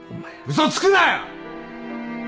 嘘つくなよ！